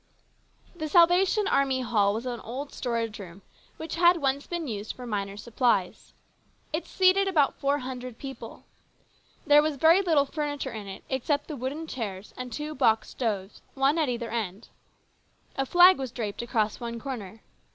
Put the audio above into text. THE Salvation Army Hall was an old storage room which had once been used for miners' supplies. It seated about four hundred people. There was very little furniture in it except the wooden chairs, and two box stoves, one at either end. A flag was draped across one corner.